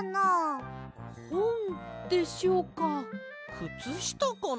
くつしたかな。